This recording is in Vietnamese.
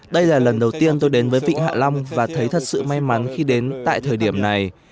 đây là lần đầu tiên tôi đến với vịnh hạ long và thấy thật sự may mắn khi đến tại thời điểm này